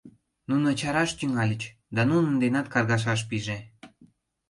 Нуно чараш тӱҥальыч, да нунын денат каргашаш пиже.